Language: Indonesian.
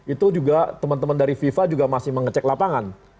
itu juga teman teman dari fifa juga masih mengecek lapangan